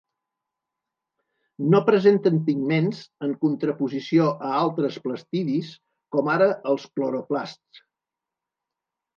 No presenten pigments, en contraposició a altres plastidis, com ara els cloroplasts.